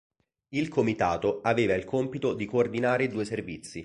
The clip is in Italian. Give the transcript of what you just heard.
Il comitato aveva il compito di coordinare i due servizi.